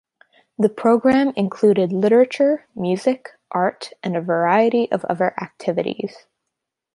The programme included literature, music, art and a variety of other activities.